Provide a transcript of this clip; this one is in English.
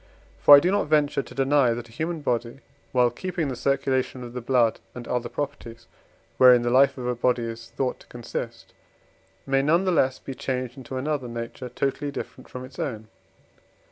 For I do not venture to deny that a human body, while keeping the circulation of the blood and other properties, wherein the life of a body is thought to consist, may none the less be changed into another nature totally different from its own.